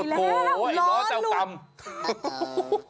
ไปแล้วล้อลุก